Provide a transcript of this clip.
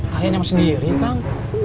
kalian sama sendiri kang